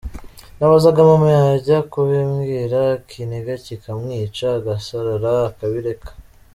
Nabazaga mama yajya kubimbwira ikiniga kikamwica agasarara akabireka.